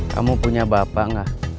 kamu punya bapak nggak